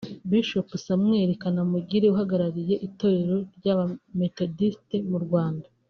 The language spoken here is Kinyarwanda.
Bishop Samuel Kanamugire uhagarariye itorero ry’abamethodiste mu Rwanda